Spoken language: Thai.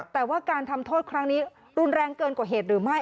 แต่ว่าการทำโทษครั้งนี้รุนแรงเกินกว่าเหตุหรือไม่